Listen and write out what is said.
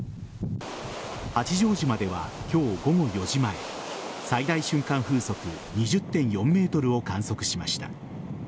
八丈島では、今日午後４時前最大瞬間風速２０．４メートルを観測しました。